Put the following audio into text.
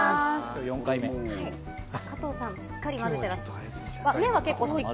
加藤さん、しっかり混ぜてらっしゃる。